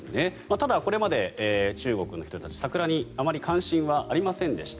ただ、これまで中国の人たち桜にあまり関心はありませんでした。